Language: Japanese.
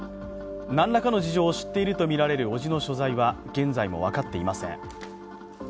何らかの事情を知っているとみられる伯父の所在は現在も分かっていません。